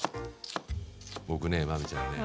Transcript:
僕ね真海ちゃんね。